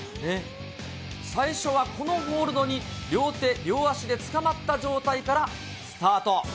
最初はこのホールドに両手両足でつかまった状態からスタート。